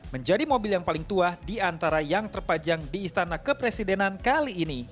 menjadi mobil yang paling tua di antara yang terpajang di istana kepresidenan kali ini